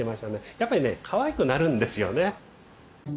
やっぱりねかわいくなるんですよね。